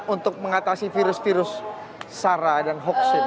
untuk mengatasi virus virus sara dan hoax ini